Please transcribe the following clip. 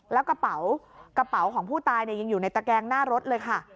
แล้วกระเป๋ากระเป๋าของผู้ตายยังอยู่ในตะแกงหน้ารถเลยค่ะ